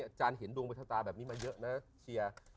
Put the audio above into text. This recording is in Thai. อาจารย์เห็นดวงประชะตาแบบนี้มาเยอะนะเชียร์